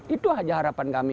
itu aja harapan kami